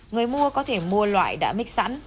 người mua có thể mua loại đã mix sẵn